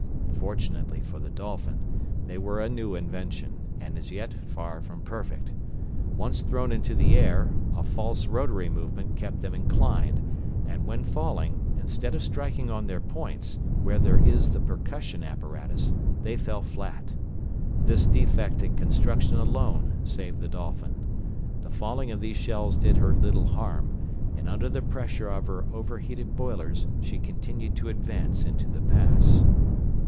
Fortunately for the Dolphin, they were a new invention, and as yet far from perfect. Once thrown into the air, a false rotary movement kept them inclined, and, when falling, instead of striking on their points, where is the percussion apparatus, they fell flat. This defect in construction alone saved the Dolphin. The falling of these shells did her little harm, and under the pressure of her over heated boilers she continued to advance into the pass.